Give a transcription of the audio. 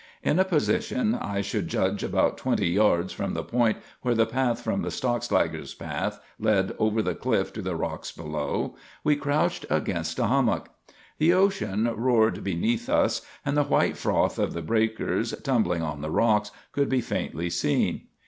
In a position I should judge about twenty yards from the point where the path from the Stockslager path led over the cliff to the rocks below, we crouched against a hummock. The ocean roared beneath us and the white froth of the breakers, tumbling on the rocks, could be faintly seen.